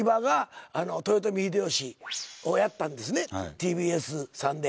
ＴＢＳさんで。